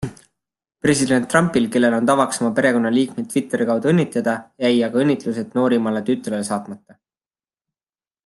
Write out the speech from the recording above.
President Trumpil, kel on tavaks oma perekonnaliikmeid Twitteri kaudu õnnitleda, jäi aga õnnitlused noorimale tütrele saatmata.